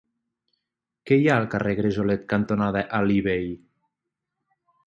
Què hi ha al carrer Gresolet cantonada Alí Bei?